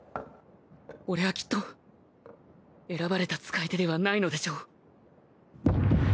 俺はきっと選ばれた使い手ではないのでしょう